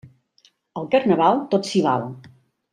Al Carnaval, tot s'hi val.